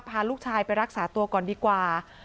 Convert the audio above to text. พาลูกชายไปรักษาตัวก่อนดีกว่า